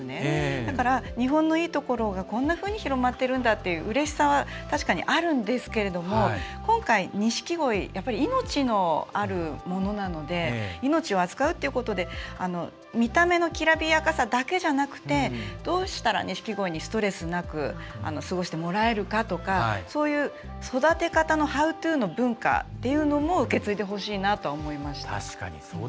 だから、日本のいいところがこんなふうに広まってるんだっていううれしさは確かにあるんですけど今回、錦鯉命のあるものなので命を扱うっていうことで見た目のきらびやかさだけじゃなくてどうしたら錦鯉にストレスなく過ごしてもらえるかとかそういう育て方のハウツーの文化というのも受け継いでほしいなと思いました。